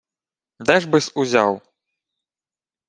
— Де ж би-с узяв?